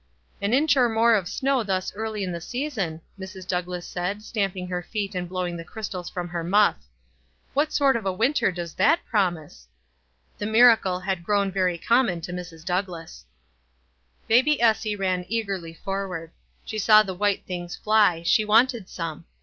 '' "An inch or more of snow thus early in the season," Mrs. Douglass said, stamping her feet and blowing the crystals from her muff. " What sort of a winter does that promise ?" The mir acle had grown very common to Mrs. Douglass. Baby Essie ran eagerly forward. She saw the white things fly; she wanted some.